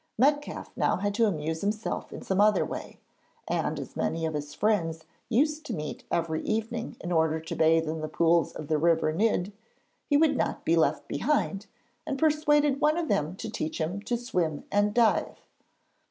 Metcalfe now had to amuse himself in some other way, and as many of his friends used to meet every evening in order to bathe in the pools of the river Nidd, he would not be left behind, and persuaded one of them to teach him to swim and dive.